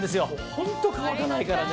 ホント乾かないからね。